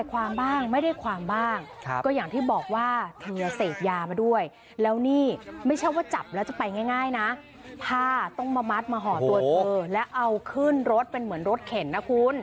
ความบ้างไม่ได้ความบ้างก็อย่างที่บอกว่าเธอเสพยามาด้วยแล้วนี่ไม่ใช่ว่าจับแล้วจะไปง่ายนะผ้าต้องมามัดมาห่อตัวเธอแล้วเอาขึ้นรถเป็นเหมือนรถเข็นนะคุณ